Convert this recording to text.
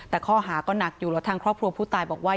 แต่ข้อหาก็หนักอยู่แล้วทางครอบครัวผู้ตายบอกว่า